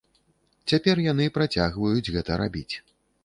Цяпер яны працягваюць гэта рабіць.